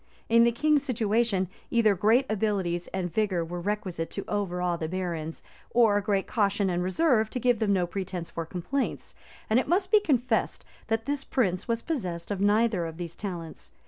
In the king's situation, either great abilities and vigor were requisite to overawe the barons, or great caution and reserve to give them no pretence for complaints; and it must be confessed, that this prince was possessed of neither of these talents.